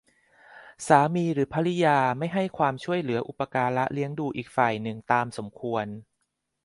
สามีหรือภริยาไม่ให้ความช่วยเหลืออุปการะเลี้ยงดูอีกฝ่ายหนึ่งตามสมควร